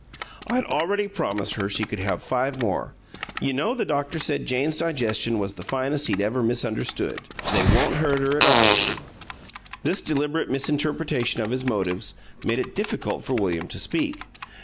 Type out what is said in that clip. "I'd already promised her she could have five more. You know the doctor said Jane's digestion was the finest he'd ever misunderstood. They won't hurt her at all, Willie." This deliberate misinterpretation of his motives made it difficult for William to speak.